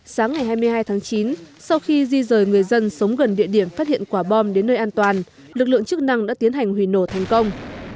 sáng ngày hai mươi hai tháng chín sau khi di rời người dân sống gần địa điểm phát hiện quả bom đến nơi an toàn lực lượng chức năng đã tiến hành hủy nổ thành công